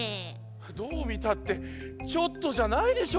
どうみたってちょっとじゃないでしょ